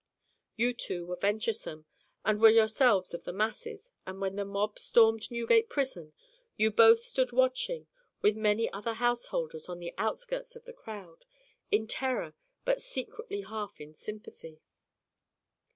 You two were venturesome and were yourselves of the masses, and when the mob stormed Newgate prison you both stood watching with many other householders on the outskirts of the crowd, in terror but secretly half in sympathy.